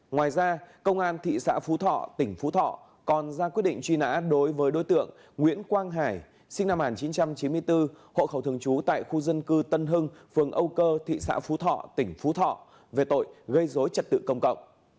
ngoài ra công an thị xã phú thọ tỉnh phú thọ còn ra quyết định truy nã đối với đối tượng nguyễn quang hải sinh năm một nghìn chín trăm chín mươi bốn hộ khẩu thường trú tại khu dân cư tân hưng phường âu cơ thị xã phú thọ tỉnh phú thọ về tội gây dối trật tự công cộng